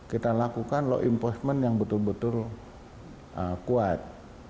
kita lakukan law enforcement yang betul betul kuat